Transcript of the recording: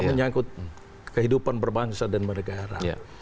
menyangkut kehidupan berbangsa dan negara